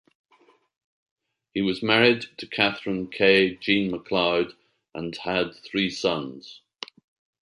He was married to Katherine 'Kay' Jean MacLeod and had three sons.